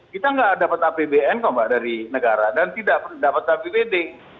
kita nggak dapat apbn kok mbak dari negara dan tidak dapat apbd